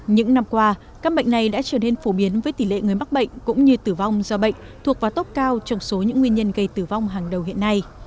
những năm qua các bệnh này đã trở nên phổ biến với tỷ lệ người mắc bệnh cũng như tử vong do bệnh thuộc vào tốc cao trong số những nguyên nhân gây tử vong hàng đầu hiện nay